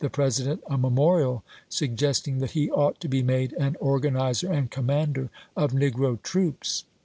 President a memorial^ suggesting that he ought to be made an organizer and commander of negro troops.